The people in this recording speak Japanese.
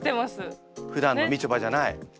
ふだんのみちょぱじゃない。